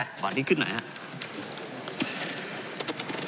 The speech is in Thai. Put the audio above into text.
เอ๊ะขออันนี้ขึ้นหน่อยครับ